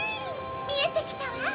みえてきたわ！